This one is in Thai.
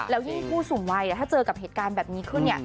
แล้วยิ่งผู้สูงวัยถ้าเจอกับเหตุการณ์แบบนี้ขึ้นเนี่ย